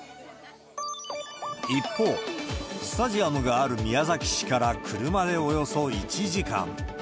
一方、スタジアムがある宮崎市から車でおよそ１時間。